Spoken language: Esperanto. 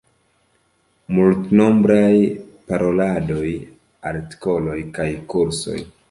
Multnombraj paroladoj, artikoloj kaj kursoj.